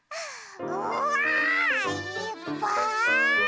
うわ！いっぱい！